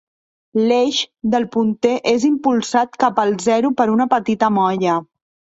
L'eix del punter és impulsat cap al zero per una petita molla.